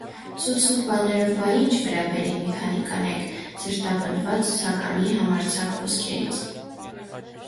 - Սուտ-սուտ բաներով, բա ի՞նչ, - վրա բերին մի քանի կանայք, սրտապնդված Ցականի համարձակ խոսքերից: